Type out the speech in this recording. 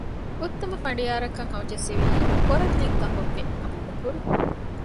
އުއްތަމަ ފަނޑިޔާާރަކަށް ހަމަޖެއްސެވީ ކޮރަލިތަކުރުގެ އަބޫބަކުރު